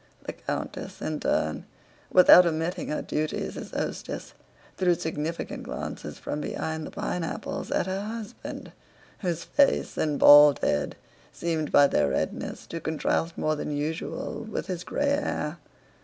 The countess in turn, without omitting her duties as hostess, threw significant glances from behind the pineapples at her husband whose face and bald head seemed by their redness to contrast more than usual with his gray hair.